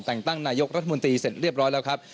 แต่งตั้งนายกรัฐมนตรีเสร็จเรียบร้อยแล้วครับ